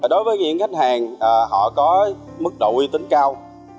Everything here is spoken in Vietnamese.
đối với những khách hàng họ có mức độ uy tín cao